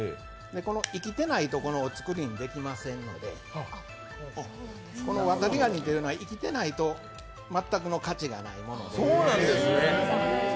生きてないとお造りにできませんので、このわたりがにというのは生きていないと全くの価値がないもので。